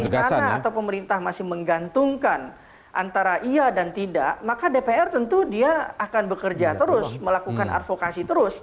karena atau pemerintah masih menggantungkan antara iya dan tidak maka dpr tentu dia akan bekerja terus melakukan advokasi terus